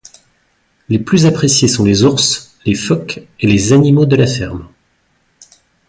Les plus appréciés sont les ours, les phoques et les animaux de la ferme.